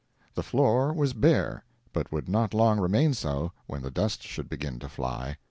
The floor was bare, but would not long remain so when the dust should begin to fly.